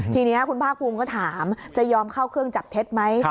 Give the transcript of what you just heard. ทีนี้คุณภาคภูมิก็ถามจะยอมเข้าเครื่องจับเท็จไหม